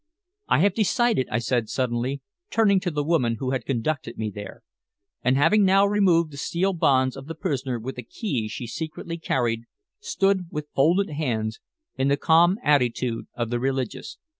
"I have decided," I said suddenly, turning to the woman who had conducted me there, and having now removed the steel bonds of the prisoner with a key she secretly carried, stood with folded hands in the calm attitude of the religious.